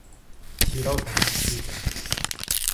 Χειρότερα, είπε